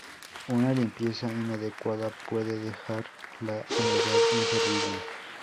Una limpieza inadecuada puede dejar la unidad inservible.